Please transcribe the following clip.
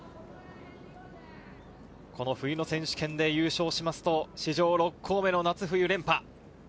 この冬の選手権で優勝しますと、史上６校目の夏冬連覇。